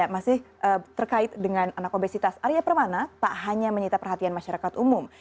masih terkait dengan anak obesitas arya permana tak hanya menyita perhatian masyarakat umum